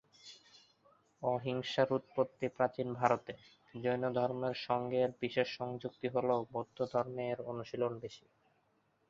অহিংসার উৎপত্তি প্রাচীন ভারতে; জৈনধর্মের সঙ্গে এর বিশেষ সংযুক্তি হলেও বৌদ্ধধর্মে এর অনুশীলন বেশি।